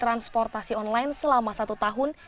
transportasi online selama satu tahun